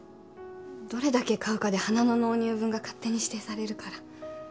どれだけ買うかで花の納入分が勝手に指定されるから。